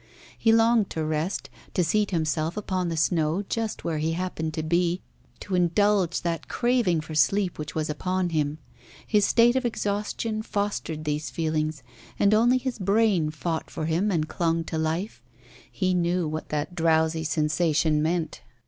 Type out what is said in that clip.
He longed to rest, to seat himself upon the snow just where he happened to be, to indulge that craving for sleep which was upon him. His state of exhaustion fostered these feelings, and only his brain fought for him and clung to life. He knew what that drowsy sensation meant.